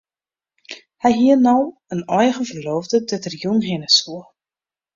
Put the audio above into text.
Hy hie no in eigen ferloofde dêr't er jûn hinne soe.